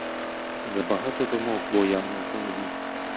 Забагато думок буяло в голові.